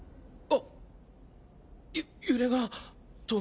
あっ。